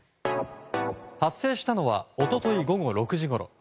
発生したのは一昨日、午後６時ごろ。